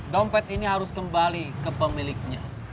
dompet ini harus kembali ke pemiliknya